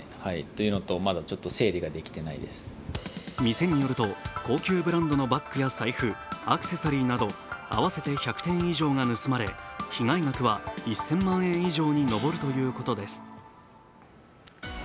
店によると、高級ブランドのバッグや財布、アクセサリーなど合わせて１００点以上が盗まれ、被害額は１０００万円以上に上るということです。